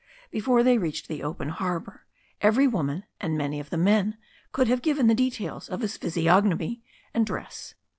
Before they reached the open harbour every woman and many of the men could have given the details of his physiogfnomy and dress.